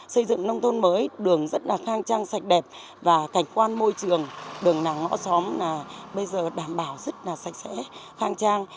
xây dựng nông thôn mới đường rất là khang trang sạch đẹp và cảnh quan môi trường đường nàng ngõ xóm là bây giờ đảm bảo rất là sạch sẽ khang trang